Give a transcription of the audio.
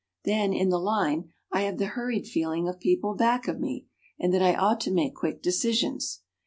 Then in the line I have the hurried feeling of people back of me, and that I ought to make quick decisions.